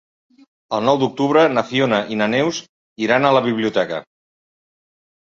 El nou d'octubre na Fiona i na Neus iran a la biblioteca.